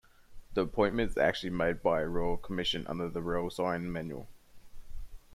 The appointment is actually made by a Royal Commission under the royal sign-manual.